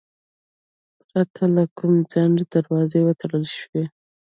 پرته له کوم ځنډه دروازې وتړل شوې.